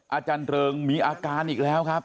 อาจารย์เริงมีอาการอีกแล้วครับ